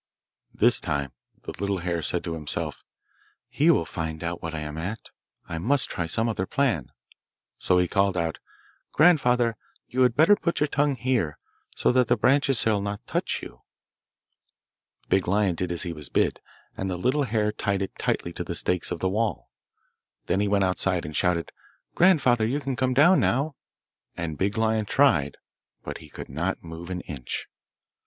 This time the little hare said to himself, 'He will find out what I am at. I must try some other plan. 'So he called out, 'Grandfather, you had better put your tongue here, so that the branches shall not touch you.' Big Lion did as he was bid, and the little hare tied it tightly to the stakes of the wall. Then he went outside and shouted, 'Grandfather, you can come down now,' and Big Lion tried, but he could not move an inch.